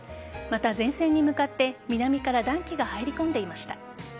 また、前線に向かって南から暖気が入り込んでいました。